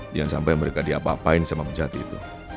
jangan sampai mereka diapa apain sama penjahat itu